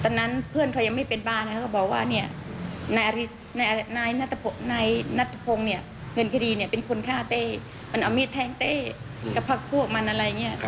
ตอนนั้นเพื่อนเขายังไม่เป็นบ้านเขาก็บอกว่าเนี่ยนายนัทพงศ์เนี่ยเงินคดีเนี่ยเป็นคนฆ่าเต้มันเอามีดแทงเต้กับพักพวกมันอะไรอย่างนี้